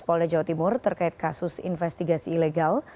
polda jawa timur terkait kasus investigasi ilegal